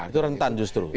itu rentan justru